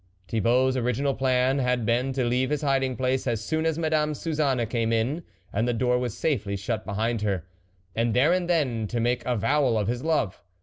*i Thibault's original plan had been to leave his hiding place as soon as Madame Suzanne came in and the door was safely shut behind her, and there and then to make avowal of his love.